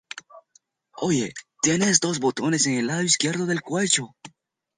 Tiene dos botones en el lado izquierdo del cuello.